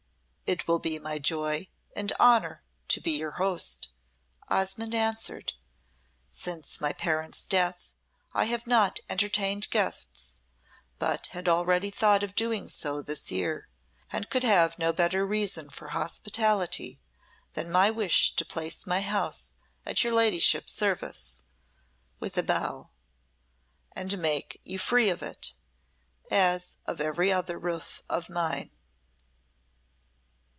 "It will be my joy and honour to be your host," Osmonde answered. "Since my parents' death I have not entertained guests, but had already thought of doing so this year, and could have no better reason for hospitality than my wish to place my house at your ladyship's service," with a bow, "and make you free of it as of every other roof of mine."